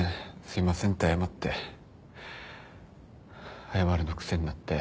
すいませんって謝って謝るの癖になって。